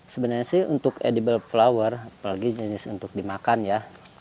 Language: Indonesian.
sebenarnya sih untuk edible flower apalagi jenis untuk dimakan ya